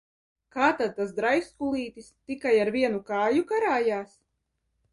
Kā tad tas draiskulītis tikai ar vienu kāju karājās?